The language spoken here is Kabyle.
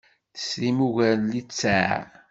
Tesrim ugar n littseɛ?